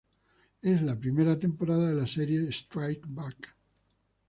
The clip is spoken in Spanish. Es la primera temporada de la serie "Strike Back".